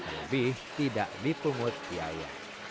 lebih tidak dipungut biaya